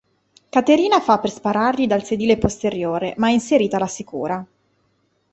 Caterina fa per sparargli dal sedile posteriore ma è inserita la sicura.